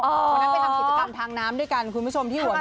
วันนั้นไปทำกิจกรรมทางน้ำด้วยกันคุณผู้ชมที่หัว